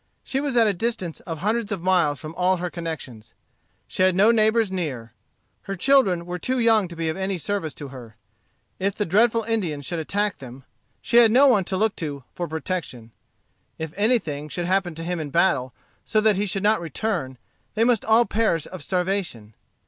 She was at a distance of hundreds of miles from all her connections. She had no neighbors near. Her children were too young to be of any service to her. If the dreadful Indians should attack them, she had no one to look to for protection. If anything should happen to him in battle so that he should not return, they must all perish of starvation.